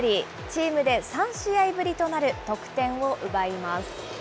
チームで３試合ぶりとなる得点を奪います。